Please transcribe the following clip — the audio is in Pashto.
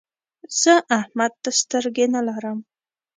زه احمد ته سترګې نه لرم.